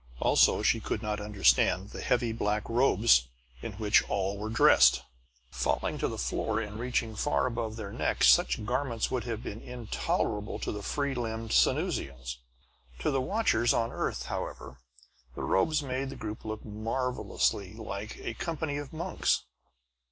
Also, she could not understand the heavy black robes in which all were dressed. Falling to the floor and reaching far above their necks, such garments would have been intolerable to the free limbed Sanusians. To the watchers on the earth, however, the robes made the group look marvelously like a company of monks.